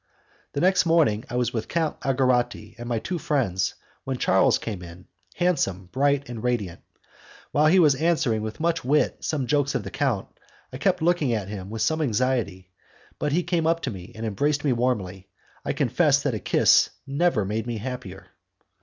The next morning I was with Count Algarotti and my two friends when Charles came in, handsome, bright, and radiant. While he was answering with much wit some jokes of the count, I kept looking at him with some anxiety, but he came up to me and embraced me warmly. I confess that a kiss never made me happier.